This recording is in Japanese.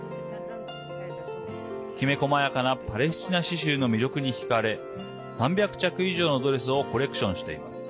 きめこまやかなパレスチナ刺しゅうの魅力に引かれ３００着以上のドレスをコレクションしています。